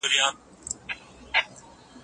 چي شاعر د څرګند پیغام له ورکولو څخه